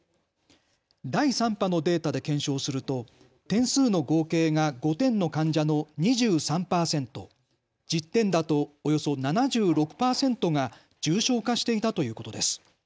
第３波のデータで検証すると点数の合計が５点の患者の２３％、１０点だとおよそ７６％が重症化していたということです。